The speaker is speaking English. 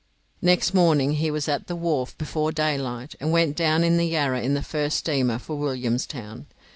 Next morning he was at the wharf before daylight, and went down the Yarra in the first steamer for Williamstown.